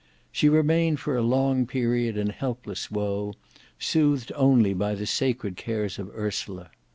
She remained for a long period in helpless woe, soothed only by the sacred cares of Ursula.